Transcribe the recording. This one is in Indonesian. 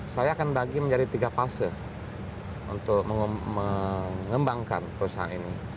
saya akan bagi menjadi tiga fase untuk mengembangkan perusahaan ini